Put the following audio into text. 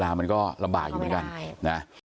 คือตอนนั้นหมากกว่าอะไรอย่างเงี้ย